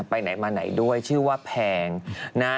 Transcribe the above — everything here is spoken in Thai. ไปไหนมาไหนด้วยชื่อว่าแพงนะ